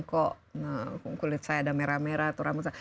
kok kulit saya ada merah merah